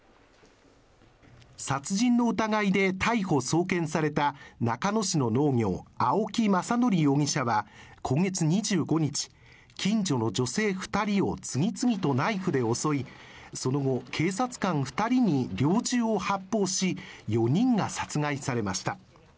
殺人の疑いで逮捕・送検された中野市の農業、青木政憲容疑者は、今月２５日近所の女性２人を次々とナイフで襲い、その後、警察官２人に猟銃を発砲し、４人が殺害されました。